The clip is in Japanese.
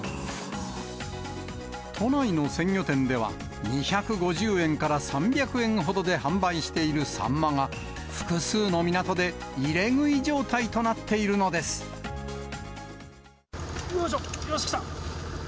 都内の鮮魚店では、２５０円から３００円ほどで販売しているサンマが、複数の港で入よいしょ、よし来た。